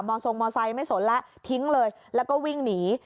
ทรงมอไซค์ไม่สนแล้วทิ้งเลยแล้วก็วิ่งหนี